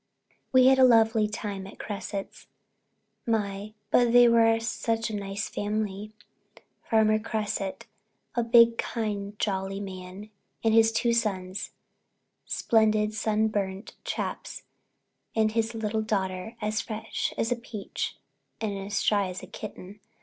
We had a lovely time at Cresset's. My, but they were a nice family! Farmer Cresset, a big, kind, jolly man and his two sons, splendid, sun burned chaps, and his little daughter, as fresh as a peach and as shy as a kitten.